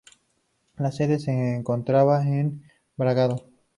La sede se encontraba en Bragado.